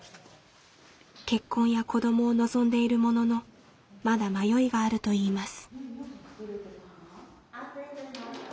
結婚や子どもを望んでいるもののまだ迷いがあるといいます。